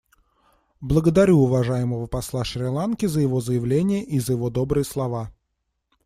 Благодарю уважаемого посла Шри-Ланки за его заявление и за его добрые слова.